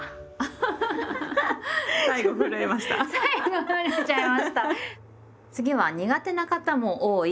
はい。